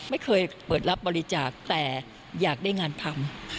ไม่เคยเปิดรับบริจาคแต่อยากได้งานทำ